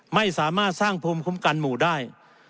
ไม่สามารถสร้างภูมิคุ้มกันหมู่ได้